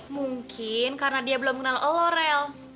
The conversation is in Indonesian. mungkin karena dia belum kenal lo rel